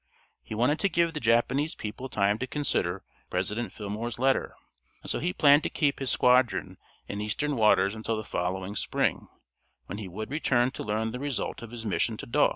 He wanted to give the Japanese people time to consider President Fillmore's letter, and so he planned to keep his squadron in Eastern waters until the following spring, when he would return to learn the result of his mission at Yedo.